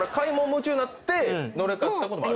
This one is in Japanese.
夢中になって乗れなかったこともある。